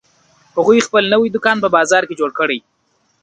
هغوی خپل نوی دوکان په بازار کې جوړ کړی